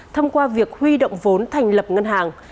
thông qua việc huy động vốn thành lập ngân hàng